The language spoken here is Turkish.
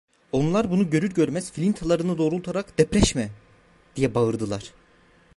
Onlar bunu görür görmez filintalarını doğrultarak: "Depreşme!" diye bağırdılar…